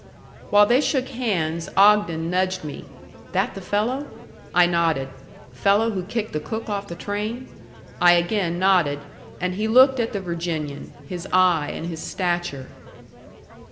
While they shook hands, Ogden nudged me. "That the fellow?" I nodded. "Fellow who kicked the cook off the train?" I again nodded, and he looked at the Virginian, his eye and his stature.